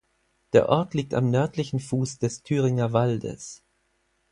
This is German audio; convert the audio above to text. Der Ort liegt am nördlichen Fuß des Thüringer Waldes.